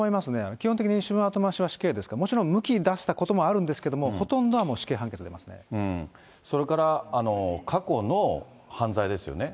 基本的に主文後回しは死刑ですから、もちろん無期出したこともあるんですけれども、ほとんどはもう、それから、過去の犯罪ですよね。